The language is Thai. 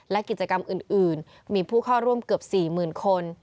และกิจกรรมอื่นมีผู้เข้าร่วมเกือบ๔๐๐๐คน